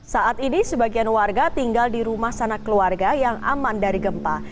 saat ini sebagian warga tinggal di rumah sanak keluarga yang aman dari gempa